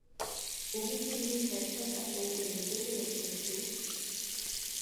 Хүүгийнхээ ийм давилуун зантайг тэр мэдээгүй явсан гэж үү.